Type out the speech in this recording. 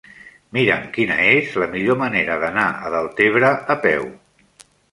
Mira'm quina és la millor manera d'anar a Deltebre a peu.